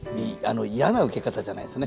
嫌なウケ方じゃないんですね。